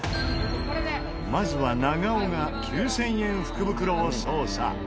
まずは長尾が９０００円福袋を捜査。